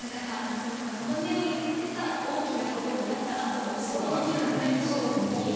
その本音を言ってさ大きなことになったあとの心の傷ってすごい大きいから。